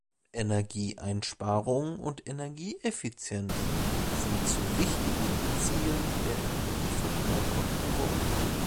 Energieeinsparung und Energieeffizienz sind zu wichtigen Zielen der Energieverbraucher geworden.